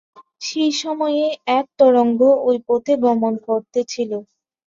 সেই সময়ে এক তস্কর ঐ পথে গমন করিতেছিল।